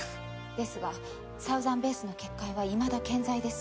ですがサウザンベースの結界はいまだ健在です。